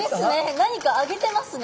何か揚げてますね。